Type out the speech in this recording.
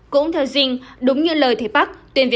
cũng theo dinh đúng như lời thế bắc